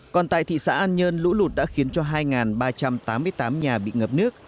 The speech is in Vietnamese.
còn tại thị xã an nhơn lũ lụt đã khiến cho hai ba trăm tám mươi tám nhà bị ngập nước